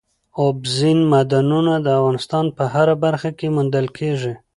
اوبزین معدنونه د افغانستان په هره برخه کې موندل کېږي.